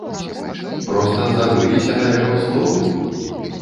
Проста забыліся на яго словы?